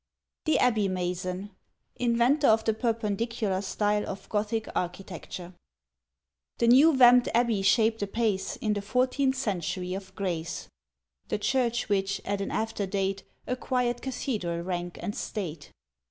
THE ABBEY MASON (Inventor of the "Perpendicular" Style of Gothic Architecture) THE new vamped Abbey shaped apace In the fourteenth century of grace; (The church which, at an after date, Acquired cathedral rank and state.)